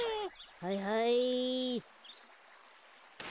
はいはい。